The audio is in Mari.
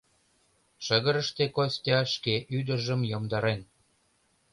Шыгырыште Костя шке ӱдыржым йомдарен.